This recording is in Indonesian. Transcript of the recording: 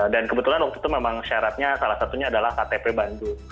dan kebetulan waktu itu memang syaratnya salah satunya adalah ktp bandung